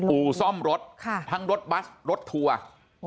อู่ซ่อมรถทั้งรถบัสรถทัวร์